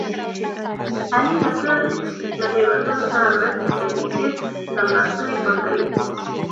علي له تل له بې وزلو سره مرسته کوي. ډېر څملاستلي پاڅوي.